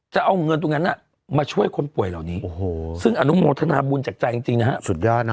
จะเอาเงินตรงนั้นมาช่วยคนป่วยเหล่านี้ซึ่งอนุโมทนาบุญจากใจจริงนะฮะสุดยอดนะ